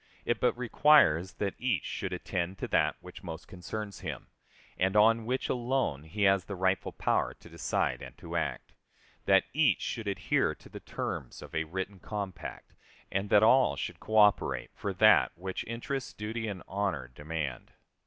It but requires that each should attend to that which most concerns him, and on which alone he has rightful power to decide and to act; that each should adhere to the terms of a written compact, and that all should coöperate for that which interest, duty, and honor demand.